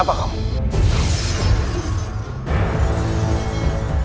atau kamu akan mati